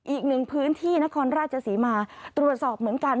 อีกหนึ่งพื้นที่นครราชศรีมาตรวจสอบเหมือนกัน